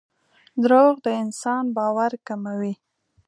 دراوغ دانسان باور کموي